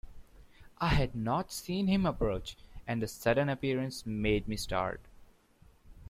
I had not seen him approach, and the sudden appearance made me start.